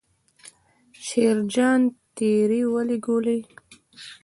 شیرجان تېرې ولي ګولۍ.